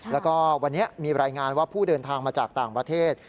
แล้วก็วันนี้มีรายงานว่าผู้เดินทางมาจากต่างประเทศ